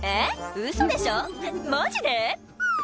ウソでしょマジで？」